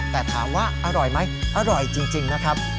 แต่ถามว่าอร่อยไหมอร่อยจริงนะครับ